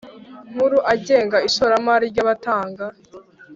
Nkuru agenga ishoramari ry abatanga